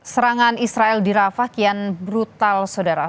serangan israel di rafah kian brutal sodara